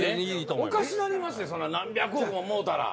おかしなりまっせそんな何百億ももうたら。